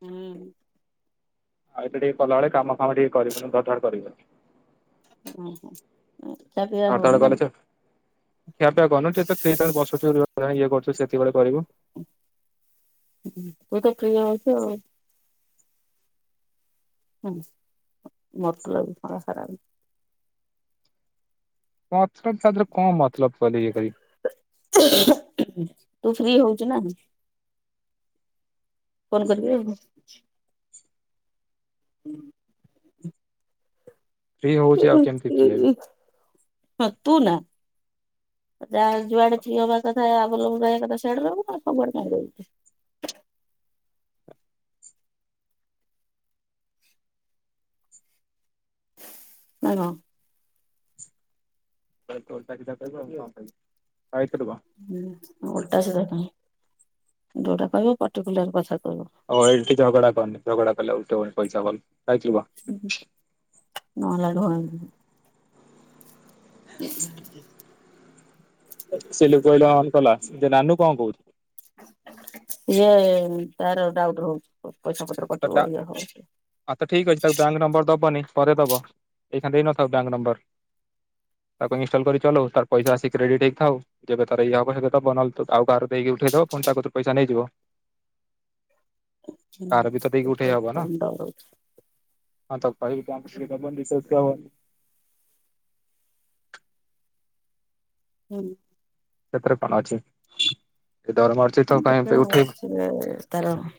ହୁଁ। ଆଉ ଟିକେ ତମଆଡେ କାମ ଫାମ ଟିକେ କରୁଚିନା ଧଡ ଧାଡେ କରିବନି। ଓହୋ। ଖିଆ ପିଆ ହବନି ଆଧାର ନା କାଟୁଚ। ଖିଆପିଆ କନେ ଟିକିଏ ବସୁଚ ଇଏ କରୁଚ ସେତିବେଳେ କହିବ। ଇଏତ ଫ୍ରି ଵର୍ଶ ଆଉ। ହୁଁ ମତଲବ କଣ ହେଲାକି? ମତଲବ ତାରେ ଦିହରେ କଣ ମତଲବ କଲେ ଇଏ କରିକି? ତୁ ଫ୍ରି ହଉଛୁ ନା ହେଉନୁ? କଣ କରିବ ଆଉ କି? ହୁଁ। ଫ୍ରି [inaudible] ହଉଛି ଆଉ କେମିତି ଫ୍ରି ହେବି। ହଁ ଖଚହେଲା ଯାହା ଯୁଆଡେ ଫ୍ରି ହବା କଥା ଆଗରୁ କହିଵା କଥା। ଛାଡ ବାବୁ ତାଙ୍କ ଗୁଡା କଣ ଯାଉଚି? [inaudible] ଆୟତ ରୁ ବା। ହଁ ଓଲଟା ସେଧା ହେଲାଣି ଯୋଉଟା କହିବ ପଟିକୁଲ କଥା କହିବ। ଆଉ ଏଇଠି ଝଗଡା କନି ଝଗଡା କଲା ଭିତରେ ମୁଁ ପଇସା ପାଇନି। [inaudible] [inaudible] ସେ ଲୋକ କହିଲା ଅନ୍ କଲା ସେ ରାନୁ କଣ କହୁଛି? ଇଏ ତାର ଡାଉଟ୍ ରହୁଚି ପଇସା ପତ୍ର କଟିବ ଇଏ ହବ। ଆଉ ତ ଠିକ ଅଛି ତାକୁ ବ୍ୟାଙ୍କ ନମ୍ବର ଦବନି ପରେ ଦବଏଇ ଖିଣା ଦେଇନଥ ବ୍ୟାଙ୍କ ନମ୍ବର। ତାକୁ ଇନ୍ ଷ୍ଟଲ କରି ଚଲଉ ତାର ପଇସା ଆସିଥିଲେ ରେ ଟେ ହେଇକି ଥାଉ। ଯେଉକଥା କରିବାକଥା ସେଇକଥା ହବ ନହେଲେଥଉ ଆଉ କାହାର ଦେଇକି ଉଠେଇଦବା ପୁଣି ତାକତରୁ ପଇସା ନେଇଯିବ। ହଁ ତାର ବି ତ ଦେଇକି ଉଠେଇ ଟିକେ ଥଣ୍ଡା ରହୁଚି। ଆ ତ କହିବି କଣସିଏ କେମିତି ଶୈକ୍ତି ହବ। ହୁଁ। ସେତିରେ କଣ ଅଛି ଏ ଦରମା। ଅଛି ତ ହ କାଇଁ ପାଇଁ କେତେବେଳ ଉଠେଇବୁ ବସିବ ତାରଣ।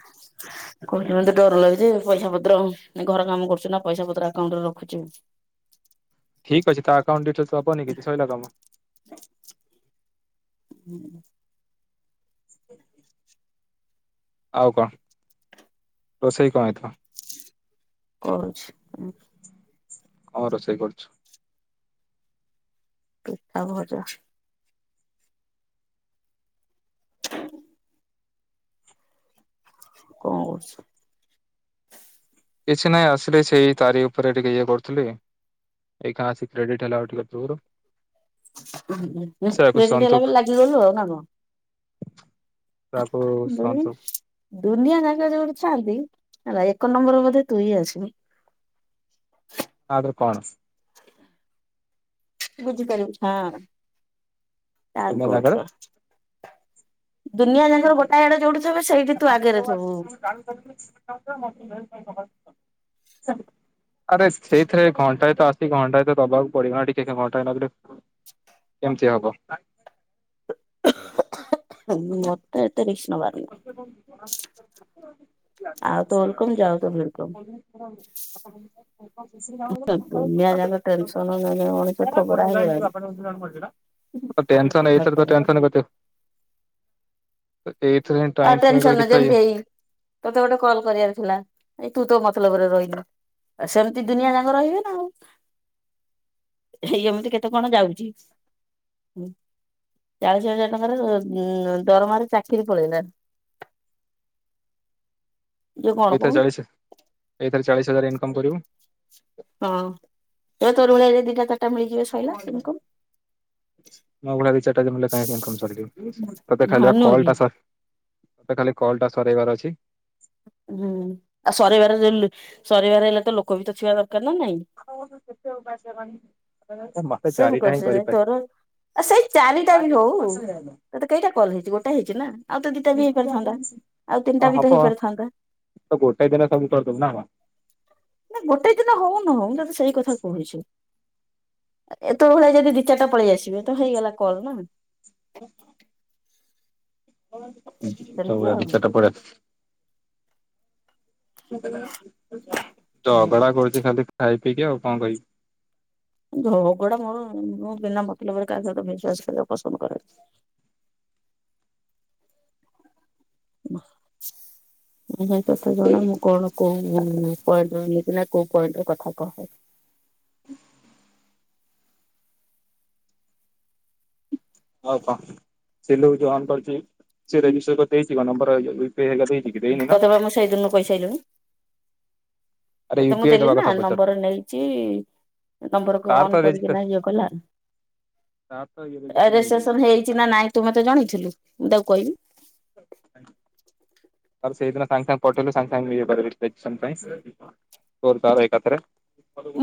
[inaudible] କହିଲେ ମତେ ଡର ଲାଗୁଛି। ପଇସା ପତ୍ର ଘର କାମ କରୁଛୁ ନା, ପଇସା ପତ୍ର ଆକାଉଣ୍ଟରେ ରଖୁଛୁ। ଠିକ୍ ଅଛି ତା ଆକାଉଣ୍ଡ ଡିଟେଲସ୍ ଦବନି କିଛି ସଇଲା କାମ। ହୁଁ। ଆ ଆଉ କଣ? ରୋଷେଇ କଣ ହେଇଥିବ? କହୁଛି ହୁଁ। ହଁ, ରୋଷେଇ କରୁଛୁ। ପିତାଭଜା। ହଁ କଣ କରୁଛ? କିଛି ନାହିଁ ଆସିଲି, ସେଇ ତାରି ଉପରେ ଟିକେ ଇଏ କରୁଥିଲି। ଏଇକା ଆସି କ୍ରେଡିଟ୍ ହେଲା ଆଉ ଟିକେ ପୂର୍ବରୁ। ଉଁ, ହୁ, ସେୟାକୁ କ୍ରେଡିଟ୍ ହେଲା ସନ୍ତୁକ ବେଲି ଲାଗିଗଲୁ ଆଉ ନା କଣ? ତାକୁ ବୁନି। ସନ୍ତୁକ ଦୁନିଆ ଯାଙ୍କ ଯୋଉଠି ଥାନ୍ତି ହେଲା, ଏକ ନମ୍ବର ବୋଧେ ତୁ ହିଁ ଆସିବୁ? ଆଧୁରୁ କଣ? ବୁଝିପାରିବୁ। ହଁ, ତା ଦୁନିଆ ଗୁଡ଼୍ ଜାଗାରେ କ ଦୁନିଆ ଯାଙ୍କର ଗୋଟାଏ ଆଡେ ଯୋଉଠି ଥିବେ, ସେଇଠି ତୁ ଆଗରେ ଥିବୁ। [inaudible] ଆରେ ସେଇଥିରେ ଘଣ୍ଟାଏ ତ ଆସି, ଘଣ୍ଟାଏ ତ ଦବାକୁ ପଡିବ ନା ଟିକେ କେ, ଘଣ୍ଟାଏ ନଦେଲେ କେମିତି ହବ? ମତେ ଏତେ ରିକ୍ସ୍ ନବାର ନାହିଁ। ସେ [inaudible] ଆଉ ତ, ଓଲକମ୍ ଯାଉ ତ ଭେଲକମ୍। [inaudible] ଦୁନିଆ ଯାକ ଟେନସନ ମଣିଷ ଥୋବରା ହେଇଗଲାଣି [unintelligible] ଟେନ୍ସନ୍ ଏଇଥରେତ ଟେନ୍ସନ୍ କେତେ? ଏ-ଏଇଥିରେ ହିଁ ଆଉ, ଟାଇମ୍ ଟେନ୍ ସ୍ପେଣ୍ଡ କରି ସନ୍ କିଛି ଯେମତି ହେଇ, ତୋତେ ଗୋଟେ କଲ୍ କରିବାର ଥିଲା, ଏଇ ତୁତୋ ମତଲବରେ ରହିଲୁ। ସେମତି ଦୁନିଆ ଯାଁ କ ରହିବେ ନା ଆଉ। ହେଇ ଏମିତି କେତେ କଣ ଯାଉଛି? ହୁଁ, ଚାଳିଶ ହଜାର ଟଙ୍କାର-ଅ ଉଁ ଦରମାର ଚାକିରି ପଳେଇଲା। ଇଏ କଣ ଏଇଥରେ କହୁନୁ ଚାଳିଶି, ଏଇଥେରେ ଚାଳିଶି ହଜାର ଇନକମ୍ କରିବୁଁ। ହଁ, ଏ ତୋରି ଭଳିଆ ଦିଇଟା ଚାର୍ ମୋ ଭଳିଆ ଦି ଚାରିଟା [unintelligible] ଇନକମ୍। [unintelligible] ତତେ ଖାଲି ହଁ ବା ନୁହଁ କଲ୍ କି ଟା ସର୍, ତତେ ଖାଲି କଲ୍ ଟା ସରେଇବାର ଅଛି। ହୁଁ, ଆଉ ସରେଇବାର ଯଲି, ସରେଇବାର ହେଲେ ତ ଲୋକ ବି ତ ଥିବା ଦରକାର ନା ନାଇଁ? ମା ହେ ସେମ୍ ଚାରିଟା ହିଁ କରିସେ କରିପାରି ତୋର ସେଇ ଚାରିଟା ବି ହଉ, ତତେ କେଇଟା କଲ୍ ହେଇଚି! ଗୋଟେ ହେଇଛି ନା? ଆଉ ତ ଦିଟା ବି ହେଇପାରଥାନ୍ତା, ଆଉ ହଁ ତିନିଟା ବି ହବ ତ ହେଇପାରିଥା ତ ଗୋଟାଏ ଦିନରେ ସବୁ କରିଦବୁ ନା କଣ? ନା, ଗୋଟେ ଦିନ ହଉ ନହଉ ମୁଁ ତତେ ସେଇ କଥା କହୁଛି। ଏ ତୋ ଭଳିଆ ଯଦି ଦି ଚାର୍ ଟା ପଳେଇ ଆସିବେ? ତ ହେଇଗଲା କଲ୍ ନା। [unintelligible] ସେମିତି ଆଉ ଦି ଚାର୍ ଟା ପଳେ ହୁଁ। ଝଗଡା କରୁଛି ଖାଲି ଖାଇ ପିଇକି ଆଉ କଣ କହିବି? ଝଗଡା ମୋର ମୁଁ ବିନା ମତଲବରେ କାହା ସହିତ ବିଶ୍ଵାସ କରିବାକୁ ପସନ୍ଦ କରେନି। ନା, ମୁଁ କଥା ଜଣେ ମୁଁ କଣ କଉ ପଏଣ୍ଟ ନା କଉ ପଏଣ୍ଟ କଥା କହେ। ହଉ କହ ସେ ଲୋକ ଯାଉ ଅନ କରିଛି ସେ ରେଜିଷ୍ଟର କରି ଦେଇଚି କି ନମ୍ବର [unintelligible] ତତେ ବା ମୁଁ ସେଇ ଦିନୁ କହିସାଇଲିନି। ଆରେ ୟୁ ତତେ ପି ମୁଁ ଆଇ ଦେଲି ଦବା ନା କଥା ପଚାର ନମ୍ବର ନେଇଛି ନମ୍ୱର୍ କୁ ତାର ତ ଅନ୍ ରେଜିଷ୍ଟର କରିକିନା ଇଏ କଲା। ତାର ତ ଇଏ ରେଜିଷ୍ଟର ହେଇଯାଇଛି ରେଜିଷ୍ଟେସନ୍ ହେଇଛି ନା ନାଇଁ ତୁ ମୋତେ ଜଣେଇଥିଲୁ ମୁଁ ତାକୁ କହିବି? ତାର ସେଇଦିନ ସାଙ୍ଗେ ସାଙ୍ଗେ ପଠେଇଲୁ ସାଙ୍ଗେ ସାଙ୍ଗେ ହେଇପାରେ ରେଜିଷ୍ଟେସନ୍ ପାଇଁ ତୋର ତାର ଏକାଥରେ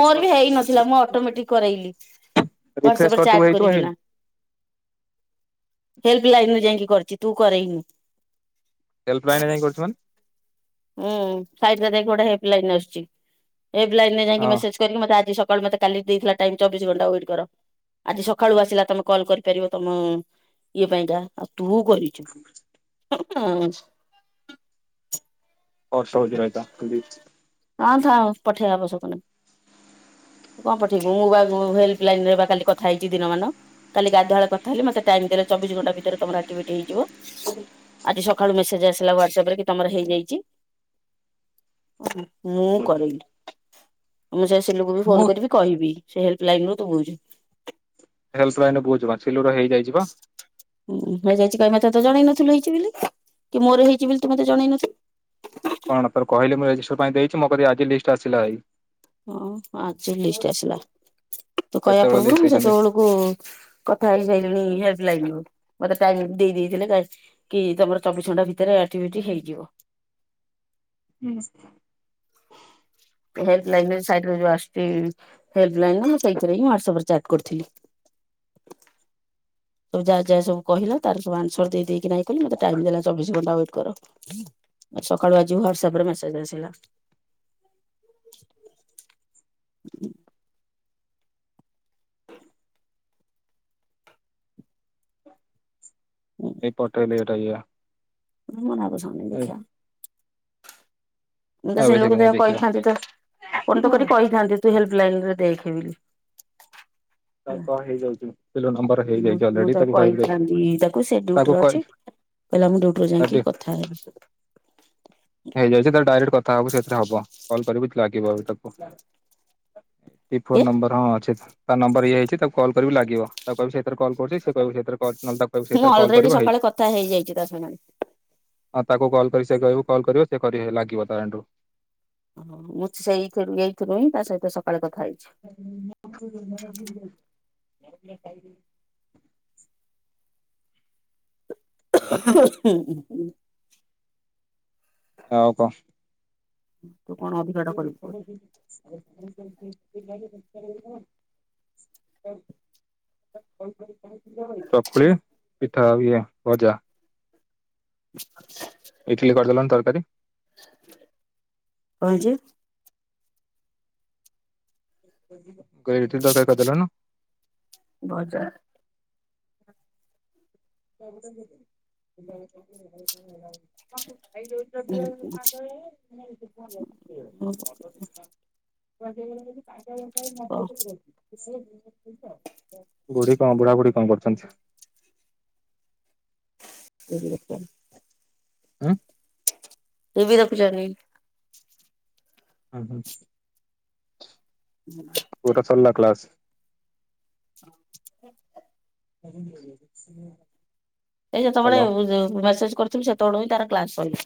ମୋର ବି ହେଇନଥିଲା ମୁଁ ଅଟୋମେଟିକ କରେଇଲି। ରିଫ୍ରେଶ ହ୍ୱାଟସଅପ ରେ କରିଥିବୁ ଚାଟ ହେଇଥିବ ହେଇନି କରିକିନା। ହେଲ୍ପ ଲାଇନ ରେ ଯାଇକି କରିଛି ତୁ କରେଇନୁ। ହେଲ୍ପ ଲାଇନ୍ ଯାଇକି କରିଚୁ ମାନେ? ହୁଁ ସାଇଟ ରେ ଯାଇକି ଗୋଟେ ହେଲ୍ପ ଲାଇନ ଆସୁଛି ହେଲ୍ପ ଲାଇନ ରେ ଯାଇକି ହଁ ମେସେଜ ମତେ ଆଜି ସକାଳେ ମୋତେ କାଲି ଦେଇଥିଲା ଟାଇମ ଚବିଶି ଘଣ୍ଟା ୱଟେ କର। ଆଜି ସକାଳୁ ଆସିଲା ତମେ କଲ କରିପାରିବ ତମ ଇଏ ପାଇଁ କା ଆଉ ତୁ କରିବୁ। ହୁଁ [unintelligible] ହଁ ଥାଉ ପଠେଇବା ଆବଶ୍ୟକ ନାଇ। କଣ ପଠେଇବୁ ମୁଁ ବା ହେଲ୍ପ ଲାଇନ ରେ ବା କାଲି କଥା ହେଇଛି ଦିନ ମାନ। କାଲି ଗାଧୁଆ ବେଳେ କଥା ହେଲି ମତେ ଟାଇମ ଦେଲେ ଚିବିଶି ଘଣ୍ଟା ଭିତରେ ତମର ଆକ୍ଟିଭିଟି ହେଇଯିବ। ଆଜି ସକାଳୁ ମେସେଜ ଆସିଲା ହ୍ୱାଟସଅପ ରେ କି ତମର ହେଇଯାଇଛି। ମୁଁ କରେଇଲି ମୁଁ ସେ ସିଲୁ କୁ ବି ମୁଁ ଫୋନ କରିବି। କହିବି ସେ ହେଲ୍ପ ଲାଇନ ରୁ ତୁ ବୁଝୁ। ହେଲ୍ପ ଲାଇନ ବହୁ ଯିବା ସିଲୁର ହେଇଯାଇଚି ବା। ହୁଁ ହେଇଯାଇଛି କାଇଁ ମତେ ତ ଜଣେଇ ନଥିଲୁ ହେଇଛି ବୋଲି, କି ମୋର ହେଇଛି ବୋଲି ତୁ ମତେ ଜଣେଇ ନଥିଲୁ? କଣ ତ କହିଲେ ମୁଁରେଜିଷ୍ଟର୍ ପାଇଁ ଦେଇଛି ମୋ କତିକି ଆଜି ଲିଷ୍ଟ ଆସିଲା ଭାଇ। ଓ ଆଜି ଲିଷ୍ଟ ଆସିଲା ତୁ କହିବା କେତେବେଳେ ଲିଷ୍ଟ ପୂର୍ବରୁ ଦେଇଛନ୍ତି ସେତେବେଳକୁ କଥା ହେଇସାଇଲିଣି ହେଲ୍ପ ଲାଇନକୁ ମତେ ଟାଇମ ଦେଇଦେଇଥିଲେ। କି ତମର ଚବିଶ ଘଣ୍ଟା ଭିତରେ ଆଟିଭିଟି ହେଇଯିବ। [unintelligible] ହେଲପ ଲାଇନ୍ ସାଇଡିରେ ଆସୁଚି ହେଲପ ଲାଇନ୍ ନୁହେ ସେଇଥିରେ ହିଁ ହ୍ୱାଟସ ଅପ ଚାଟ୍ କରୁଥିଲି। ଯାହା ଯାହା ସବୁ କହିଲା ତାର ସବୁ ଆନସାର ଦେଇ ଦେଇକି କଲି ମୋତେ ଟାଇମ ଦେଲା ଚବିଶି ଘଣ୍ଟା ୱେଟ୍ କର। ସକାଳୁ ଆଜି ହ୍ୱାଟସଅପରେ ମେସେଜ ଆସିଲା। ଏପଟରେ ରହିଲା। [unintelligible] ମୁ ତ ଏବେ ସିଲୁକୁ ସେକେ ଯାଇ ଦେଖିଆ ଦେଖିବା କହିଥାନ୍ତି ତ ଫୋନ ତ କରି କହିଥାନ୍ତି। ତୁ ହେଲ୍ପ ଲାଇନ ରେ ଦେଖେ ବି। ତ କଣ ହେଇଯାଉଛିି [inaudible] ନମ୍ବର ହେଇଯାଇଛି ମୁଁ ଅଲରେଡି ତାକୁ କହିବି ଦେଖି କହିଥାନ୍ତି ତାକୁ ସେ ଡ୍ୟୁଟିରେ ଅଛି। କହିଲା ମୁଁ ଡ୍ୟୁଟିରୁ ଯାଇକିଁ ତାର କଥା ହେବି। ହେଇଯାଇଚି ତାର ଡାଇରେକ୍ଟ ହବୁ ସେଥିରେ ହବ କଲ୍ କରିବୁ ଲାଗିବ ବି ତାକୁ। ଦି ଫୋନ୍ କିଏ ନମ୍ବର ହଁ ଅଛି। ତା ନମ୍ବର ଇଏ ହେଇଛି ତାକୁ କଲ୍ କରିବୁ ଲାଗିବ ତାକୁ କହିବୁ ସେଥିରେ କଲ୍ କରୁଛି ସେ କହିବୁ ସେ ସେଥିରେ କର ନହେଲେ ତାକୁ କହିବୁ ସେ ମୁଁ ତାରେ କଲ୍ ଅଲରେଡି କରିବ ସକାଳେ ହେଇଯିବ। କଥା ହେଇଯାଇଛି ତା ସାଙ୍ଗରେ। ହଁ ତାକୁ କଲ୍ କରିକି ଯେ କହିବୁ କଲ୍ କରିବ ସେ କରି ହେ ଲାଗିବ ତା ହାଟୁ। ମୁଁ ଶେଇଥିରୁ ଏଇଥିରୁ ହିଁ ତା ସହିତ ସକାଳେ କଥା ହେଇଚି। [unintelligible] [inaudible] ଆଉ କ? [inaudible] [unintelligible] ଅଧିକାଟା କରିବୁ କହ [unintelligible] ଚକୁଳି ପିଠା ଆଉ ଇଏ ଭଜା। [inaudible] ଇଟିଲି କରି ଦେଲନି ତରକାରୀ [inaudible] କଂ ହେଇଚି। ମୁଁ କ ଇ ଇଟିଲି ତରକାରୀ କରି ଦେଲୁନୁ। ଭଜା। [unintelligible] [unintelligible] [unintelligible] ବୁଢ଼ୀ କଣ ବୁଢ଼ା ବୁଢ଼ୀ କଣ କରୁଛନ୍ତି। ସେ ଏଇଠି ବସିଚନ୍ତି। ଉଁ। ଟିଭି ଦେଖୁଚନ୍ତି। [unintelligible] [inaudible] ପୁଅର ସରିଲା କ୍ଲାସ୍? [inaudible] [inaudible] ଏ ଯେତେବେଳେ ଭଲ ଯୋଉ ମେସେଜ୍ କରୁଥିଲୁ ସେତେବେଳେ ହିଁ ତାର କ୍ଲାସ୍ ସଇଲା।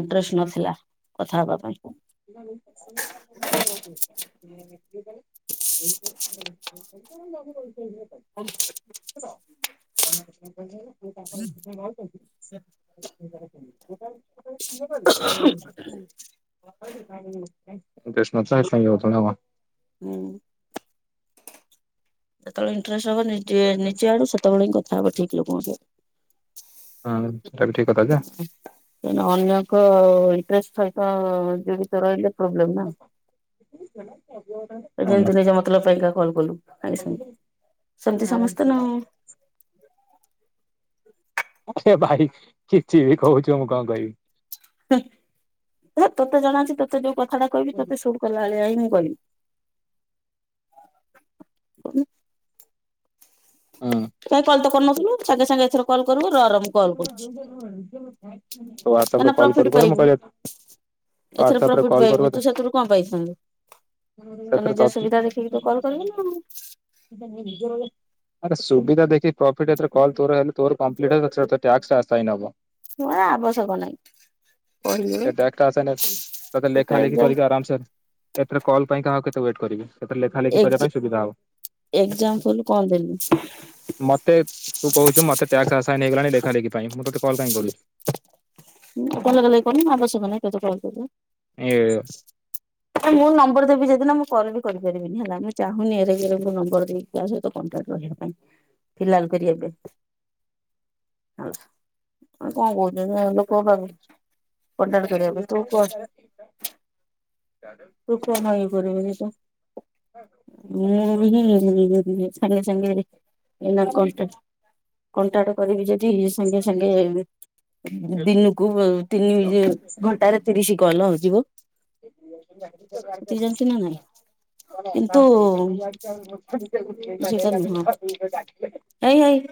ଇନ୍ଟ୍ରେଷ୍ଟ ନଥିଲା କଥା ହବା ପାଇଁ। [unintelligible] [unintelligible] [unintelligible] [unintelligible] [unintelligible] ହୁଁ। ଯେତେବେଳେ ଇନ୍ଟ୍ରେଷ୍ଟ ହବ ନିଜେ ନିଜ ଆଡୁ ସେତେବେଳେ ହିଁ କଥା ହବ ଠିକ୍ ଲୋକଙ୍କ ସହିତ। ହଁ ସେଟା ବି ଠିକ୍ କଥା ଯା। କହିଁ ନା ଅନ୍ୟଙ୍କ ଇନ୍ଟ୍ରେଷ୍ଟ ସହିତ ଜଡିତ ରହିଲେ ପ୍ରୋବ୍ଲେମ୍ ନା। [inaudible] ନିଜ ମତଲବ୍ ପାଇଁଙ୍କା କଲ୍ କଲୁ ସାଙ୍ଗେ ସାଙ୍ଗେ। ସେମିତି ସମସ୍ତେ ନା ଆଉ। ହଁ ସେ ଭାଇ ଚିଡି ଚିଡି କହୁଚି ମୁଁ କଣ କହିବି? ହୁଁ। ଏ ତତେ ଜଣା ଅଛି। ତତେ ଯୋଉ କଥାଟା କହିବି ତତେ ଶୁଣ ଗଲା ଭଳିଆ ହିଁ ମୁଁ କଇବି କୋଉନୁ। ହୁଁ। କାଇଁ କଲ୍ ତ କରୁ ନଥୁଲୁ। ସାଙ୍ଗେ ସାଙ୍ଗେ ଏଥର କଲ୍ କରୁବୁ। ରହ ରହ ମୁଁ କଲ୍ କରୁଚି। ତୁ ୱାଟ୍ସପ୍ ରେ କଲ୍ କରୁ କରୁ ମୁଁ କହିଲି ଏଥରେ ହ୍ୱାଟ୍ସଆପରେ ପ୍ରଫିଟ କଲ୍ ପାଇବୁ କରୁ ତୁ ସେଥିରୁ କଣ ପାଇଥାନ୍ତୁ? ତୋ ସେଥିରେ ନିଜ ସୁବିଧା ଦେଖିକି ତୁ କଲ ତ କରିବୁନା ଆଉ। ଆରେ ସୁବିଧା ଦେଖି ପ୍ରୋଫିଟ ହେତିରେ କଲ ତୋର ହେଲେ ତୋର କଂପ୍ଲିଟ୍ ହେଲେ ତୋ [unintelligible] ଟାସ୍କ ଆସାଇନ ହେବ। ମୋ ଆବଶ୍ୟକ ନାହିଁ। ସେଟାକ୍ଟା ଆସାଇନ୍ ତତେ ଲେଖା ଲେଖି କରିକି ଆରାମସେ ଏଥିରେ କଲ ପାଇଁ କାହାଉ କେତେ ୱେଟ୍ କରି ସେଥିରେ ଲେଖା ଲେଖି କରିବା ପାଇଁ ସୁବିଧା ହବ। ଏକ୍ସମପୁଲ କଣ ଦେମି। ମତେ ତୁ କହୁଚୁ ମତେ ଟ୍ୟାକ୍ସ ଆସାଇନ ହେଇଗଲାଣି ଲେଖା ଲେଖି ପାଇଁ ମୁଁ ତତେ କଲ କାଇଁ କରୁଚି। ମୁଁ ଲେଖା ଲେଖି କରୁନି ଆବଶ୍ୟକ ନାଁଇ ତତେ କଲ କରିବା। [unintelligible] ମୁଁ ନମ୍ବର ଦେବି ଯେଦିିନ ମୁଁ କଲ ବି କରିପାରିବିନି ହେଲା ମୁଁ ଚାହୁଁନି ଏରେଗେରେ ଙ୍କୁ ମୁଁ ନମ୍ବର ଦେବି। କାହା ସହିତ କଣ୍ଟାକ୍ଟ ରହିବା ପାଇଁ ଫିଲାଲ କରି ଏବେ। [unintelligible] ଆ କଣ କହୁଚୁ [unintelligible] ଲୋକଙ୍କ ପାଖକୁ କଣ୍ଟାକ୍ଟ କରିବା ପାଇଁ ତୁ କର। ରୁପ ମା ଇଏ କରିବ [unintelligible] ମୁଁ ହି [unintelligible] ଛାନିଆ ଛାନିଆ ରେ। ଏଇନା କଣ୍ଟା କଣ୍ଟାକ୍ଟ କରିବି ଯଦି ସାଙ୍ଗେ ସାଙ୍ଗେ ଦିନକୁ ତିନି ଘଣ୍ଟାରେ ତିରିଶ କଲ ହେଇଯିବ। ଜାଣିଛୁ ନା ନାଇଁ କିନ୍ତୁ [unintelligible] ଏଇ ହେଇ।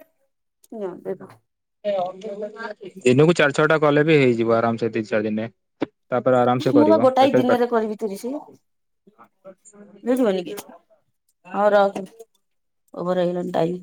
ଦିନକୁ ଚାରି ଛଅ ଟା କଲେ ବି ହେଇଯିବ ଆରାମସେ ତିନି ଚାରି ଦିନେ। ତାପରେ ଆରାମ ସେ ମୁଁ ବା କରିବ। ଗୋଟାଏ ଦିନରେ କରିବି ତିରିଶି ବୁଝିଲନି କି ହଁ ରଖ ଓଭର ହେଇିଗଲାଣି ଟାଇମ୍।